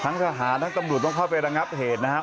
ทั้งสหาทั้งกำหนดต้องก็ไปรับเหตุนะครับ